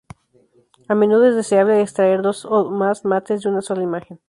A menudo, es deseable extraer dos o más mates de una sola imagen.